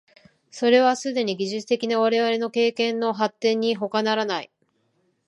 それはすでに技術的な我々の経験の発展にほかならない。